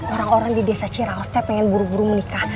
orang orang di desa cirahos saya pengen buru buru menikah